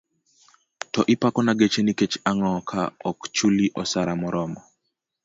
To ipako na geche nikech ango ka ok chuli osara moromo.